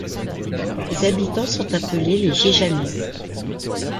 Ses habitants sont appelés les Gigeannais.